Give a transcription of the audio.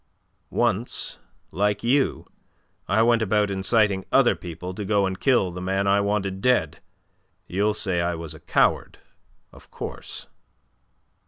"Once like you I went about inciting other people to go and kill the man I wanted dead. You'll say I was a coward, of course."